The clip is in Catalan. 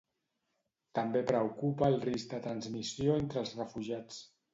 També preocupa el risc de transmissió entre els refugiats.